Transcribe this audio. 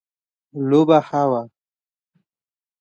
لوبه ښه وه